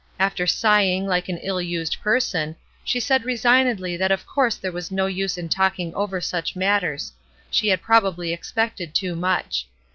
After sighing like an ill used person, she said re signedly that of course there was no use in talking over such matters; she had probably expected too ^uch.